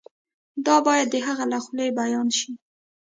دا باید د هغه له خولې بیان شي.